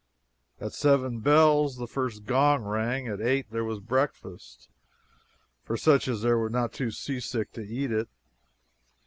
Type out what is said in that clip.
At seven bells the first gong rang; at eight there was breakfast, for such as were not too seasick to eat it.